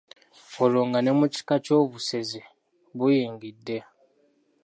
Olwo nga ne mu kika kyo obusezi buyingidde.